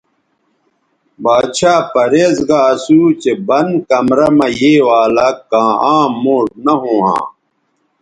باڇھا پریز گا اسو چہء بند کمرہ مہ یے والہ کاں عام موݜ نہ ھوں ھاں